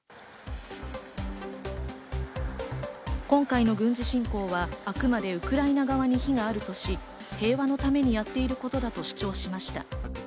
今回の軍事侵攻はあくまでウクライナ側に非があるとし、平和のためにやっていることだと主張しました。